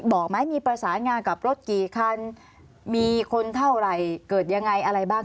บอกไหมมีประสานงานกับรถกี่คันมีคนเท่าไหร่เกิดยังไงอะไรบ้าง